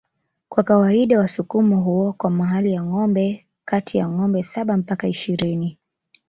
Kwa kawaida wasukuma huoa kwa mahali ya ngombe kati ya ngombe saba mpaka ishirini